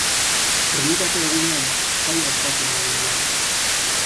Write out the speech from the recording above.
Trinitate egunean, jaia ospatzen da mendian.